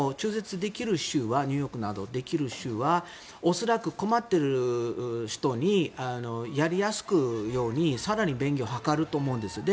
しかもニューヨークなど中絶できる州は恐らく困っている人にやりやすいように更に便宜を図ると思うんです。